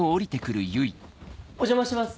お邪魔してます。